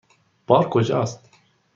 بار کجاست؟